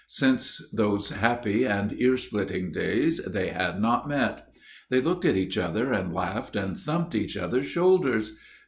Since those happy and ear splitting days they had not met. They looked at each other and laughed and thumped each other's shoulders.